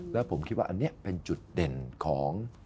แล้วผมคิดว่าอันนี้เป็นจุดเด่นของ